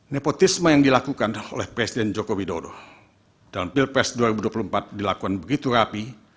nepotisme yang dilakukan oleh presiden joko widodo dalam pilpres dua ribu dua puluh empat dilakukan begitu rapi